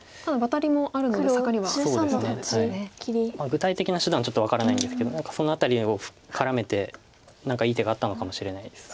具体的な手段はちょっと分からないんですけどその辺りを絡めて何かいい手があったのかもしれないです。